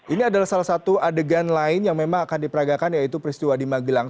ini adalah salah satu adegan lain yang memang akan diperagakan yaitu peristiwa di magelang